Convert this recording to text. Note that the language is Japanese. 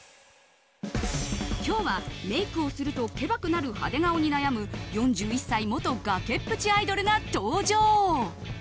今日はメイクをするとケバくなる派手顔に悩む４１歳元崖っぷちアイドルが登場。